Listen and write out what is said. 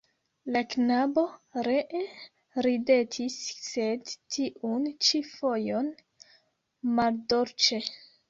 La knabo ree ridetis, sed tiun ĉi fojon maldolĉe.